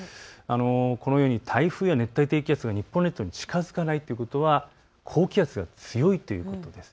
台風や熱帯低気圧が日本列島に近づかないということは高気圧が強いということです。